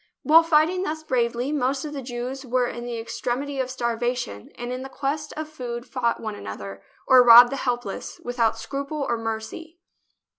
While fighting thus bravely, most of the Jews were in the extremity of starvation and in the quest of food fought one another, or robbed the helpless, without scruple or mercy.